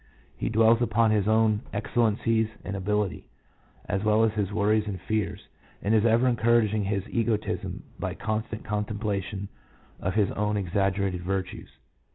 He dwells upon his own excellencies and ability, as well as his worries and fears, and is ever encouraging his egotism by constant contemplation of his own exaggerated virtues.